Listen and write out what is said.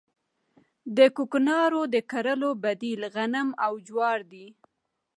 د کوکنارو د کرلو بدیل غنم او جوار دي